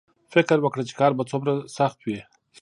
فکر وکړه چې کار به څومره سخت وي